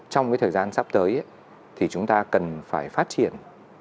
trong cái thời gian sắp tới thì chúng ta cần phải phát triển